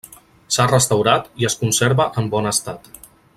S'ha restaurat i es conserva en bon estat.